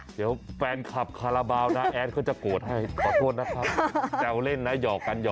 เดี๋ยวแฟนคลับคาราบาลนะแอดเขาจะโกรธให้ขอโทษนะครับแซวเล่นนะหยอกกันหอ